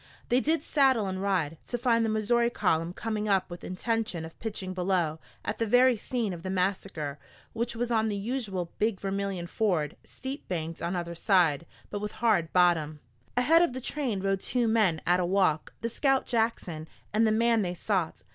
They did saddle and ride to find the Missouri column coming up with intention of pitching below, at the very scene of the massacre, which was on the usual Big Vermilion ford, steep banked on either side, but with hard bottom. Ahead of the train rode two men at a walk, the scout Jackson, and the man they sought.